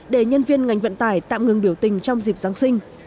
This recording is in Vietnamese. để nhân viên ngành vận tải tạm ngừng biểu tình trong dịp giáng sinh